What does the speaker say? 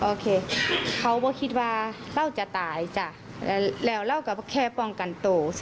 โอเคเขาก็คิดว่าเราจะตายจ้ะแล้วเราก็แค่ป้องกันโต